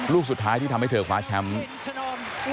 ลูกสุดท้ายที่ทำให้เธอคว้าแชมป์